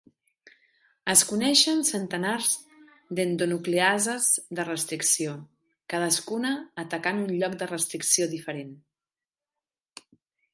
Es coneixen centenars d'endonucleases de restricció, cadascuna atacant un lloc de restricció diferent.